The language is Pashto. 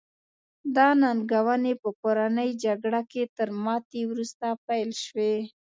دا ننګونې په کورنۍ جګړه کې تر ماتې وروسته پیل شوې.